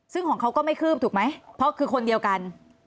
ซึ่งของเขาก็ไม่คืบถูกไหมเพราะคือคนเดียวกัน